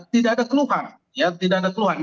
tidak ada keluhan ya tidak ada keluhan